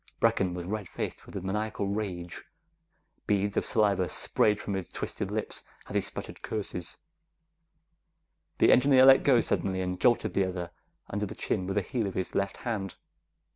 Brecken was red faced with a maniacal rage. Beads of saliva sprayed from his twisted lips as he sputtered curses. The engineer let go suddenly and jolted the other under the chin with the heel of his left hand.